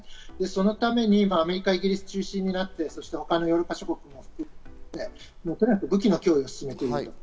そのためにアメリカ、イギリス中心になって、他のヨーロッパ諸国もとにかく武器の供与を進めている。